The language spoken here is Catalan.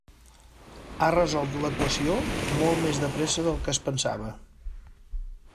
Ha resolt l'equació molt més de pressa del que es pensava.